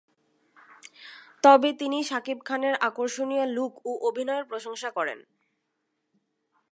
তবে তিনি শাকিব খানের আকর্ষণীয় লুক ও অভিনয়ের প্রশংসা করেন।